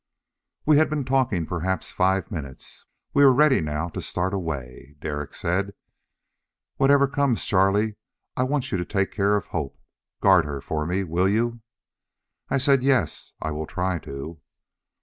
We had been talking perhaps five minutes. We were ready now to start away. Derek said: "Whatever comes, Charlie, I want you to take care of Hope. Guard her for me, will you?" I said, "Yes, I will try to."